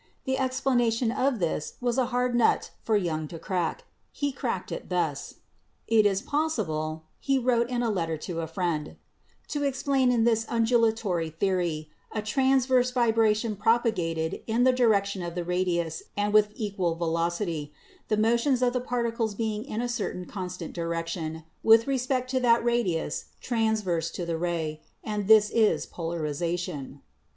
The explanation of this was a hard nut for Young to crack. He cracked it thus : "It is possible," he wrote in a letter to a friend, "to explain in this (undula tory) theory a transverse vibration propagated in the direction of the radius and with equal velocity, the motions of the particles being in a certain constant direction with respect to that radius transverse to the ray; and this is Polarization."